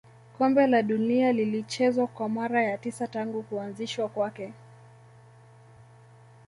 kombe la dunia lilichezwa kwa mara ya tisa tangu kuanzishwa kwake